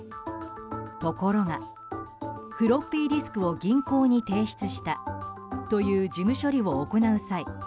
ところが、フロッピーディスクを銀行に提出したという事務処理を行う際